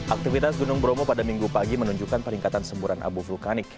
aktivitas gunung bromo pada minggu pagi menunjukkan peningkatan semburan abu vulkanik